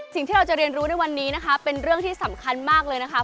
สิ่งที่เราจะเรียนรู้ในวันนี้นะคะเป็นเรื่องที่สำคัญมากเลยนะคะ